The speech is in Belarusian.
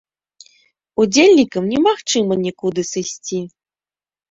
Удзельнікам немагчыма нікуды сысці.